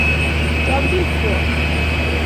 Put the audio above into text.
cham biikwok